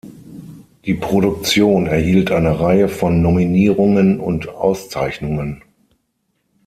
Die Produktion erhielt eine Reihe von Nominierungen und Auszeichnungen.